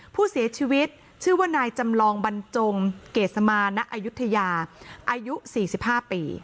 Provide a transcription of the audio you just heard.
ผู้เสียชีวิตชื่อว่านายจำนลองบรรจงเกสมาณะอายุธยาอายุสี่สิบห้าปี